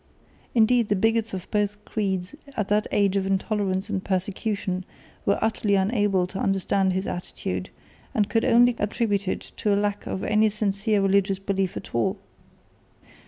Indeed the bigots of both creeds in that age of intolerance and persecution were utterly unable to understand his attitude, and could only attribute it to a lack of any sincere religious belief at all.